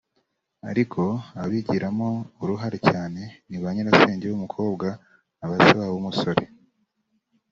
ariko ababigiragamo uruhare cyane ni ba Nyirasenge b’umukobwa na ba Se wabo w’umusore